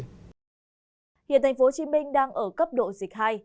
hiện tp hcm đang ở cấp độ dịch hai